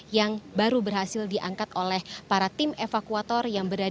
yang baru berhasil diangkat oleh para tim evakuator yang berada